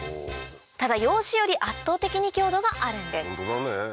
ただ洋紙より圧倒的に強度があるんです